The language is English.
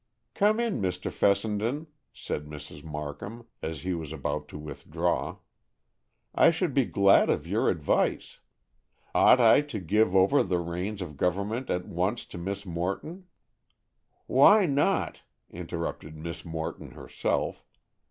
"Come in, Mr. Fessenden," said Mrs. Markham, as he was about to withdraw. "I should be glad of your advice. Ought I to give over the reins of government at once to Miss Morton?" "Why not?" interrupted Miss Morton, herself.